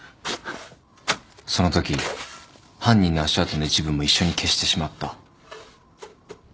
そのとき犯人の足跡の一部も一緒に消してしまった。